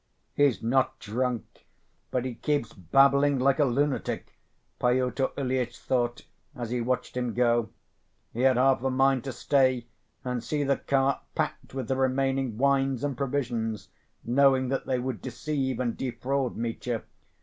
"He's not drunk, but he keeps babbling like a lunatic," Pyotr Ilyitch thought as he watched him go. He had half a mind to stay and see the cart packed with the remaining wines and provisions, knowing that they would deceive and defraud Mitya.